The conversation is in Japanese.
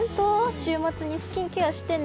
週末にスキンケアしてね。